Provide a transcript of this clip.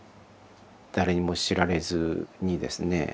誰にも知られずにですね